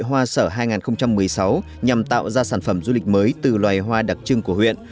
hoa sở hai nghìn một mươi sáu nhằm tạo ra sản phẩm du lịch mới từ loài hoa đặc trưng của huyện